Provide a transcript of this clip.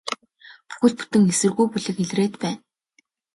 Бүхэл бүтэн эсэргүү бүлэг илрээд байна.